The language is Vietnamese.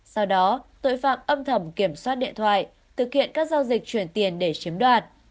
sau đó tội phạm âm thầm kiểm soát điện thoại thực hiện các giao dịch chuyển tiền để chiếm đoạt